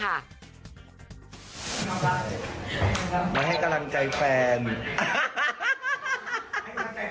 มาให้กำลังใจแฟน